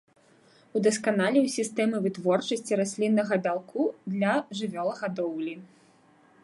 Удасканаліў сістэмы вытворчасці расліннага бялку для жывёлагадоўлі.